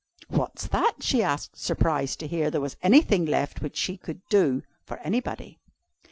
"'What's that?' she asked, surprised to hear there was anything left which she could do for anybody.